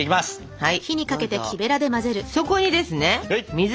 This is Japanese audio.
はい。